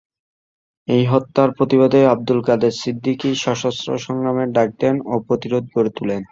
এই হত্যার প্রতিবাদে আব্দুল কাদের সিদ্দিকী সশস্ত্র সংগ্রামের ডাক দেন ও প্রতিরোধ গড়ে তুলেন।